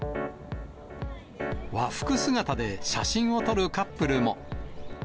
和服姿で写真を撮るカップルも。